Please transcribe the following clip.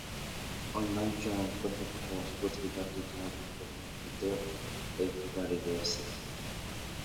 Online সংস্করণের পাশাপাশি পত্রিকাটি চার রঙে মুদ্রিত ও ই-পেপার রয়েছে।